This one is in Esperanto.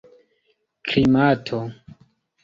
klimato